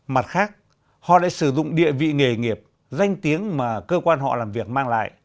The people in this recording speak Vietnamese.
mặt khác họ lại sử dụng địa vị nghề nghiệp danh tiếng mà cơ quan họ làm việc mang lại